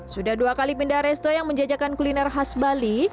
sudah dua kali pindah resto yang menjajakan kuliner khas bali